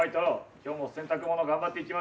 今日も洗濯物頑張っていきましょう。